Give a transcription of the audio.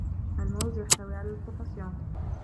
الموز يحتوي على البوتاسيوم